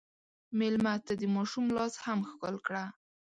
مېلمه ته د ماشوم لاس هم ښکل کړه.